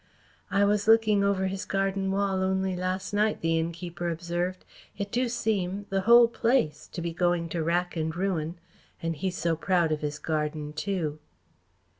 "I was looking over his garden wall only last night," the innkeeper observed. "It do seem the whole place to be going to rack and ruin. And he so proud of his garden, too."